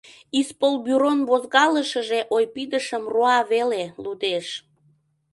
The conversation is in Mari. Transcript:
Исполбюрон возкалышыже ойпидышым руа веле — лудеш.